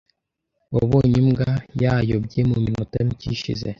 Wabonye imbwa? Yayobye mu minota mike ishize.